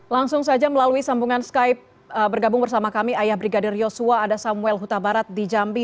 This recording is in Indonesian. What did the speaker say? langsung saja melalui sambungan skype bergabung bersama kami ayah brigadir yosua ada samuel huta barat di jambi